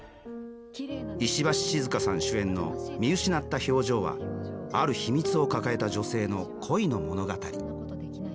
石橋静河さん主演の「見失った表情」はある秘密を抱えた女性の恋の物語。